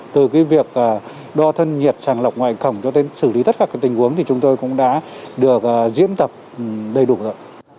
từ cái việc đo thân nhiệt tràng lọc ngoại khẩu cho đến xử lý tất cả các tình huống thì chúng tôi cũng đã được diễm tập đầy đủ rồi ạ